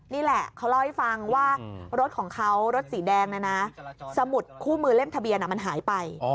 นี่แหละเขาเล่าให้ฟังว่ารถของเขารถสีแดงนะนะสมุดคู่มือเล่มทะเบียนมันหายไป